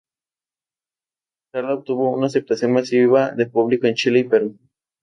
Karla tuvo una aceptación masiva de público en Chile y Perú.